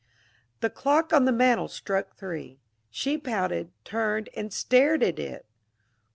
The clock on the mantel struck three. She pouted; turned and stared at it.